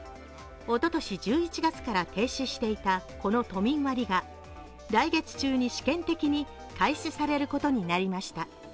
おととし１１月から停止していたこの都民割が来月中に試験的に開始されることになりました。